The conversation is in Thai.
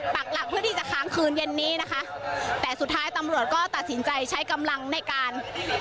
ปากหลักเพื่อที่จะค้างคืนเย็นนี้นะคะแต่สุดท้ายตำรวจก็ตัดสินใจใช้กำลังในการ